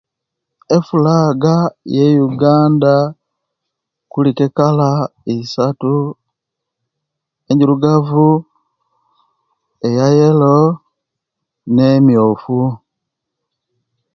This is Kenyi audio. Efulaga eye Uganda kuliku ekala isatu enjirugavu, eyayelo, ne myoofu.